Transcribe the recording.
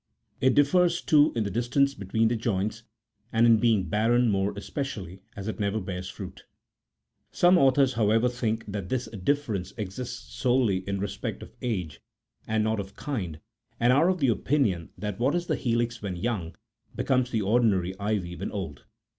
It differs, too, in the distance between the joints, and in being barren more espe cially, as it never bears fruit. Some authors, however, think that this difference exists solely in respect of age and not of kind, and are of opinion that what is the helix when young, becomes the ordinary ivy when old.